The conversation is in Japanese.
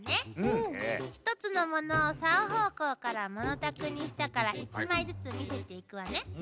１つのものを３方向からものたくにしたから１枚ずつ見せていくわね。